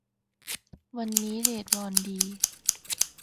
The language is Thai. วันนี้เรทวอนดี